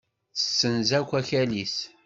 Tessenz akk akal-is.